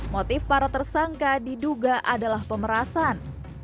motif para tersangka diduga adalah pemerasan